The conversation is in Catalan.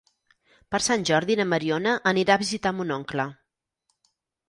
Per Sant Jordi na Mariona anirà a visitar mon oncle.